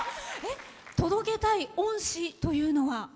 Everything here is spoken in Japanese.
届けたい恩師というのは？